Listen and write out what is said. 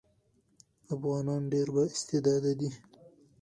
افغانان ډېر با استعداده دي.